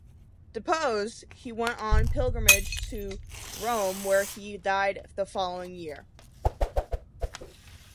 Deposed, he went on pilgrimage to Rome where he died the following year.